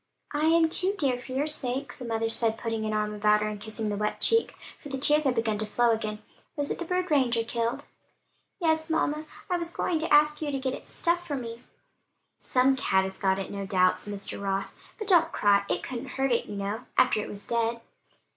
"I am too, dear, for your sake," the mother said, putting an arm about her and kissing the wet cheek, for the tears had begun to flow again. "Was it the bird Ranger killed?" "Yes, mamma, I was going to ask you to get it stuffed for me." "Some cat has got it, no doubt," said Mr. Ross. "But don't cry: it couldn't hurt it, you know, after it was dead."